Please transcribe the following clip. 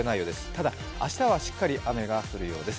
ただ、明日はしっかり雨が降るようです。